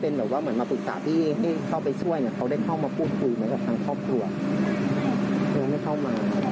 เป็นมุมของพี่ชายของเขาที่จะมีเพื่อนใครเขาไม่ได้พามาที่บ้าน